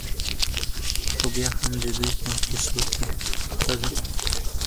؛ خو بيا هم د دوى په کيسو کې ښځه